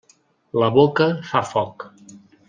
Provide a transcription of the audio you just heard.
La boca fa foc.